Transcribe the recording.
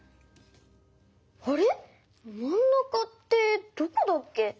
あれまんなかってどこだっけ？